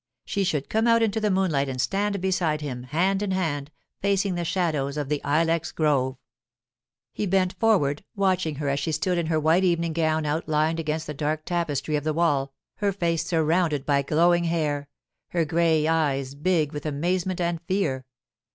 She should come out into the moonlight and stand beside him, hand in hand, facing the shadows of the ilex grove. He bent forward, watching her as she stood in her white evening gown outlined against the dark tapestry of the wall, her face surrounded by glowing hair, her grey eyes big with amazement and fear.